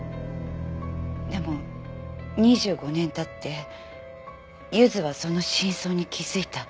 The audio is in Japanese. でも２５年経ってゆずはその真相に気づいた。